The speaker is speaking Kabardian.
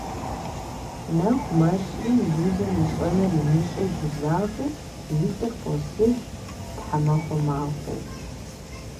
Нэху мэщри, Зузэм ищӏэнур имыщӏэу гузавэу, и лӏыр къосыж тхьэмахуэ махуэу.